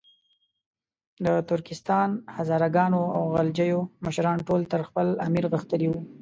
د ترکستان، هزاره ګانو او غلجیو مشران ټول تر خپل امیر غښتلي وو.